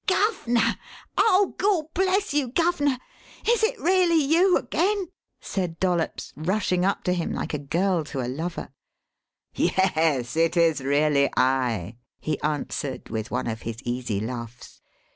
"Guv'ner! Oh, Gawd bless you, guv'ner, is it really you again?" said Dollops, rushing up to him like a girl to a lover. "Yes, it is really I," he answered with one of his easy laughs.